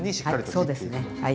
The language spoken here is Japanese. そうですねはい。